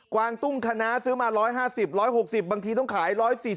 วางตุ้งคณะซื้อมา๑๕๐๑๖๐บางทีต้องขาย๑๔๐